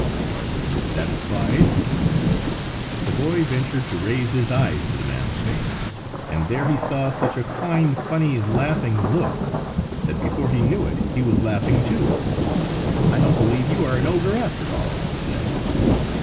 Are you satisfied?" The boy ventured to raise his eyes to the man's face; and there he saw such a kind, funny, laughing look that before he knew it he was laughing, too. "I don't believe you are an ogre, after all!" he said.